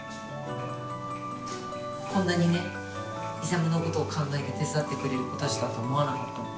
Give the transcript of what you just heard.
こんなにね「イサム」のことを考えて手伝ってくれる子たちだと思わなかったもん。